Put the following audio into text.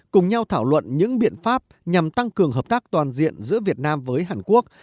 cùng nhau thảo luận những biện pháp nhằm tăng cường hợp tác toàn diện giữa việt nam với hàn quốc